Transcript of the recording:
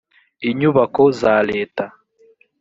inyubako za leta